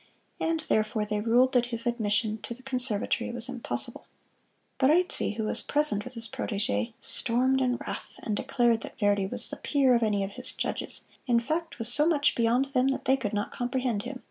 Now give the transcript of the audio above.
And therefore, they ruled that his admission to the Conservatory was impossible. Barezzi, who was present with his protege, stormed in wrath, and declared that Verdi was the peer of any of his judges; in fact, was so much beyond them that they could not comprehend him.